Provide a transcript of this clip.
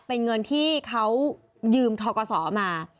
เป็นเงินที่เขายืมทกศมา